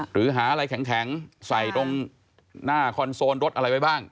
หรือหาอะไรแข็งใส่ตรงหน้าคอนโซลรถอะไรไว้บ้าง